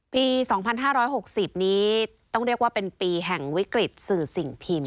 ปี๒๕๖๐นี้ต้องเรียกว่าเป็นปีแห่งวิกฤตสื่อสิ่งพิมพ์